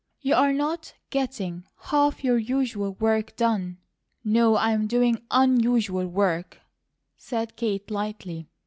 You're not getting half your usual work done." "No, I'm doing UNUSUAL work," said Kate, lightly.